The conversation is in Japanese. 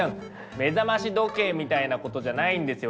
目覚まし時計みたいなことじゃないんですよ